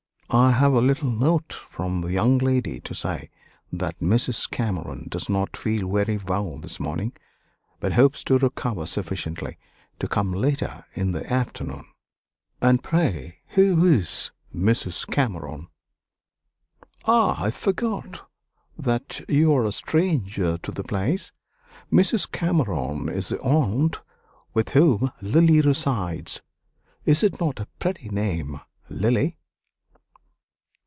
I have a little note from the young lady to say that Mrs. Cameron does not feel very well this morning, but hopes to recover sufficiently to come later in the afternoon." "And pray who is Mrs. Cameron?" "Ah! I forgot that you are a stranger to the place. Mrs. Cameron is the aunt with whom Lily resides. Is it not a pretty name, Lily?"